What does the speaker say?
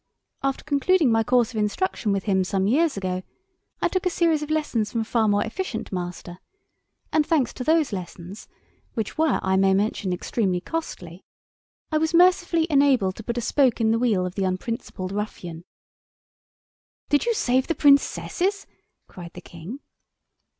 After concluding my course of instruction with him some years ago I took a series of lessons from a far more efficient master, and thanks to those lessons, which were, I may mention, extremely costly, I was mercifully enabled to put a spoke in the wheel of the unprincipled ruffian——" "Did you save the Princesses?" cried the King.